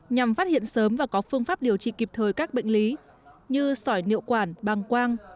nhằm phát hiện sớm và có phương pháp điều trị kịp thời các bệnh lý như sỏi niệu quản bàng quang